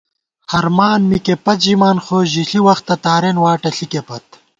ہرمان مِکے پت ژِمان خو ژِݪی وختہ تارېن واٹہ ݪِکے پت